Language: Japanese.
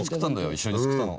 一緒に作ったの。